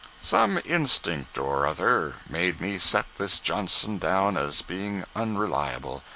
Some instinct or other made me set this Johnson down as being unreliable.